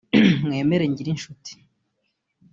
Mwemere Ngirishuti